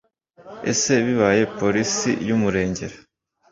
ese bibaye polisi yamurengera?